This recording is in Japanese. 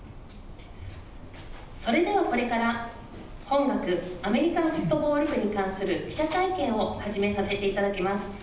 それではこれから、本学アメリカンフットボール部に関する記者会見を始めさせていただきます。